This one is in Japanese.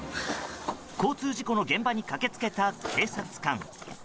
交通事故の現場に駆け付けた警察官。